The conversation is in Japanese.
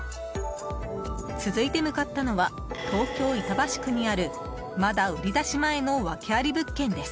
続いて向かったのは東京・板橋区にあるまだ売り出し前のワケあり物件です。